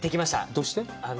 どうして？